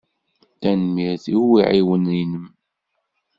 Tanemmirt i uɛiwen-inem.